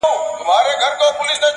وګړي ډېر سول د نیکه دعا قبوله سوله-